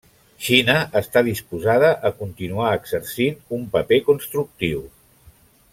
Xina està disposada a continuar exercint un paper constructiu.